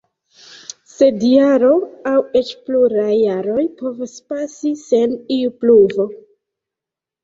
Sed jaro, aŭ eĉ pluraj jaroj, povas pasi sen iu pluvo.